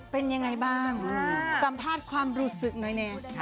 เป็นยังไงบ้างสัมภาษณ์ความรู้สึกหน่อยแน่